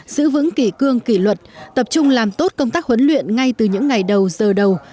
giữ vững kỷ cương kỷ luật tập trung làm tốt công tác huấn luyện ngay từ những ngày đầu giờ đầu